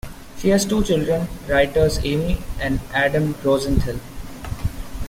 She has two children, writers Amy and Adam Rosenthal.